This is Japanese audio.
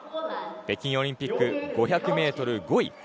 北京オリンピック５００ｍ、５位。